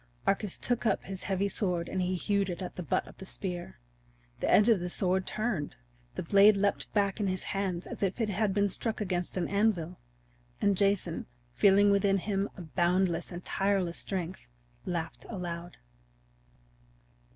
Arcas took up his heavy sword and he hewed at the butt of the spear. The edge of the sword turned. The blade leaped back in his hand as if it had been struck against an anvil. And Jason, feeling within him a boundless and tireless strength, laughed aloud.